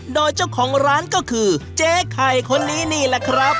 โดยเจ้าของร้านก็คือเจ๊ไข่คนนี้นี่แหละครับ